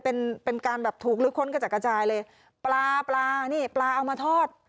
เป็นเป็นการแบบถูกลื้อค้นกระจัดกระจายเลยปลาปลานี่ปลาเอามาทอด